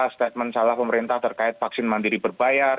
statement salah pemerintah terkait vaksin mandiri berbayar